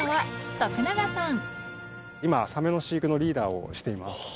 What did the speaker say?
今、サメの飼育のリーダーをしています。